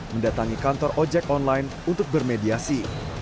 mendatangi kantor ojek online untuk bermediasi